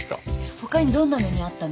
他にどんな目に遭ったの？